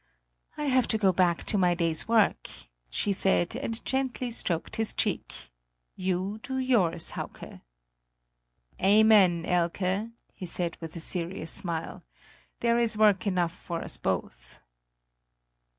"I have to go back to my day's work," she said, and gently stroked his cheek; "you do yours, Hauke." "Amen, Hike!" he said with a serious smile; "there is work enough for us both."